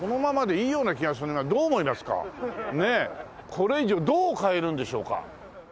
これ以上どう変えるんでしょうか？